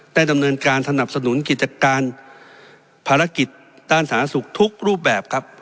ได้ดำเนินการสนับสนุนกิจการภารกิจด้านสาธารณสุขทุกรูปแบบครับ